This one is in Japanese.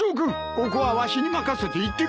ここはわしに任せて行ってくれ。